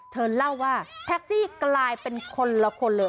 เธอเล่าว่าแท็กซี่กลายเป็นคนละคนเลย